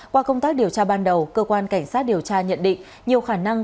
qua công tác điều tra ban đầu cơ quan cảnh sát điều tra nhận định nhiều khả năng